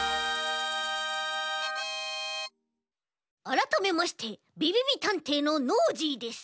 あらためましてびびびたんていのノージーです。